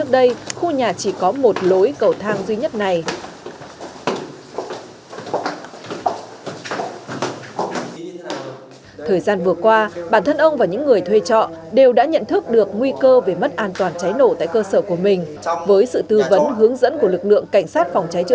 đấy khi mà mình đã trang bị được cái lối thoát phụ